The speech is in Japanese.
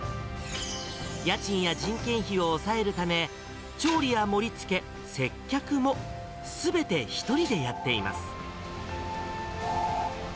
家賃や人件費を抑えるため、調理や盛りつけ、接客もすべて一人でやっています。